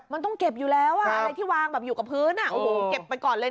มันต้องเก็บอยู่แล้วอะไรที่วางแบบอยู่กับพื้นเก็บไปก่อนเลย